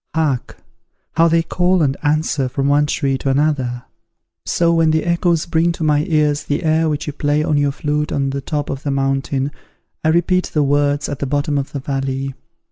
Hark! how they call and answer from one tree to another. So when the echoes bring to my ears the air which you play on your flute on the top of the mountain, I repeat the words at the bottom of the valley.